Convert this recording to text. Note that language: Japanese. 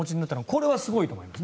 これはすごいと思います。